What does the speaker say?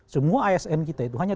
semua asn kita itu hanya